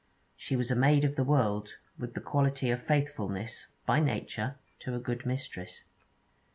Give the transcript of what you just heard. She was a maid of the world, with the quality of faithfulness, by nature, to a good mistress.